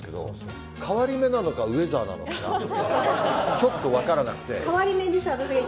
ちょっと分からなくて。